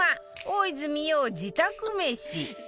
大泉洋自宅メシ